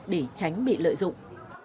để tránh bị lợi dụng